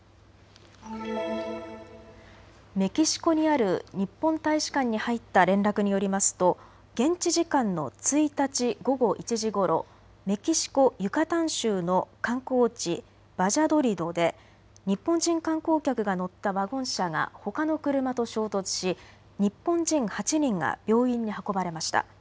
メキシコにある日本大使館に入った連絡によりますと現地時間の１日午後１時ごろメキシコ・ユカタン州の観光地バジャドリドで日本人観光客が乗ったワゴン車がほかの車と衝突し日本人８人が病院に運ばれました。